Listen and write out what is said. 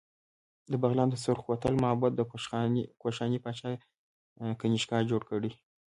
د بغلان د سورخ کوتل معبد د کوشاني پاچا کنیشکا جوړ کړی